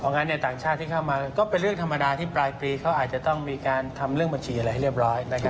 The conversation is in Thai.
งั้นในต่างชาติที่เข้ามาก็เป็นเรื่องธรรมดาที่ปลายปีเขาอาจจะต้องมีการทำเรื่องบัญชีอะไรให้เรียบร้อย